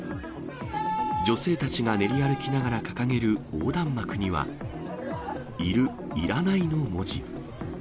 女性たちが練り歩きながら掲げる横断幕には、要る、要らないの文字。